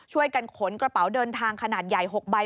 ช่วยกันขนกระเป๋าเดินทางขนาดใหญ่๖ใบ